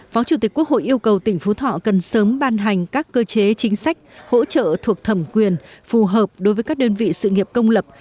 phó chủ tịch quốc hội yêu cầu tỉnh phú thọ cần sớm ban hành các cơ chế chính sách hỗ trợ thuộc thẩm quyền phù hợp đối với các đơn vị sự nghiệp công lập